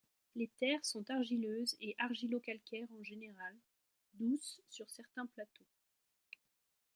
Les terres sont argileuses et argilo-calcaires en général, douces sur certains plateaux.